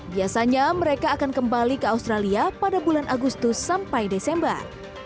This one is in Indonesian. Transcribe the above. biasanya mereka akan kembali ke australia pada bulan agustus sampai desember